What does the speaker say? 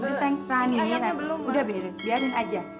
rani ini udah biarin aja